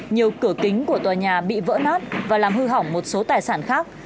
nhiều cửa kính của tòa nhà bị vỡ nát và làm hư hỏng một số tài sản khác